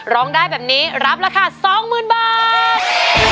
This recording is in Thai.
ร้องได้แบบนี้รับราคาสองหมื่นบาท